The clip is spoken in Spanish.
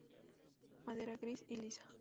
Madera gris y lisa.